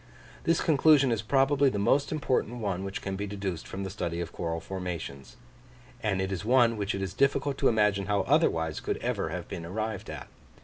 This conclusion is probably the most important one which can be deduced from the study of coral formations; and it is one which it is difficult to imagine how otherwise could ever have been arrived at.